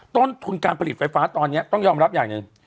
ต้นทุนการผลิตไฟฟ้าตอนนี้ต้องยอมรับอย่างหนึ่ง